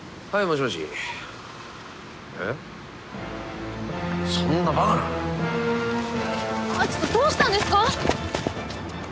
ちょっとどうしたんですか？